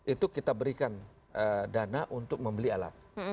itu kita berikan dana untuk membeli alat